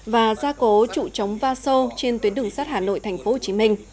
và gia cố trụ trống va sâu trên tuyến đường sắt hà nội tp hcm